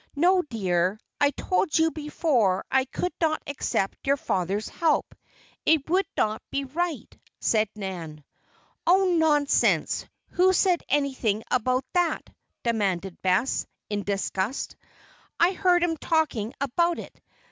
"No, dear, I told you before I could not accept your father's help. It would not be right," said Nan. "Oh, nonsense! Who said anything about that?" demanded Bess, in disgust. "I heard 'em talking about it!